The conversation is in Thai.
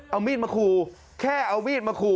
เอามีดมาขู่แค่เอามีดมาขู่